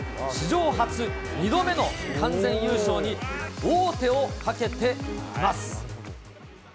史上初、２度目の完全優勝に王手をかけています。